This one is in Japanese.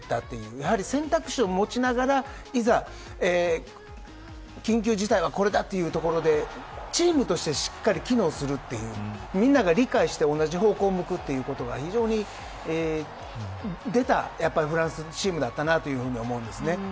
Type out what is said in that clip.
やはり選択肢を持ちながらいざ、緊急事態はこれだというところでチームとしてしっかり機能するというみんなが理解して同じ方向を向くということが非常に出たフランスのチームだったなと思うんですね。